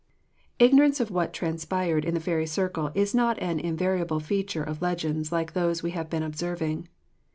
Ignorance of what transpired in the fairy circle is not an invariable feature of legends like those we have been observing.